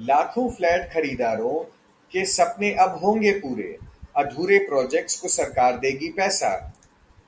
लाखों फ्लैट खरीदारों के सपने अब होंगे पूरे, अधूरे प्रोजेक्ट्स को सरकार देगी पैसा